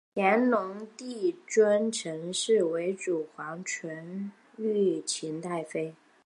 乾隆帝尊陈氏为皇祖纯裕勤太妃。